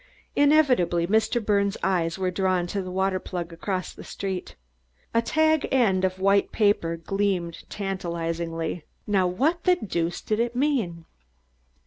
Inevitably Mr. Birnes' eyes were drawn to the water plug across the street. A tag end of white paper gleamed tantalizingly. Now what the deuce did it mean?